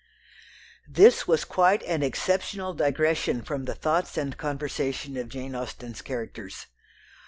This was quite an exceptional digression from the thoughts and conversation of Jane Austen's characters.